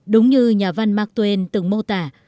đúng như nhà văn mark twain từng mô tả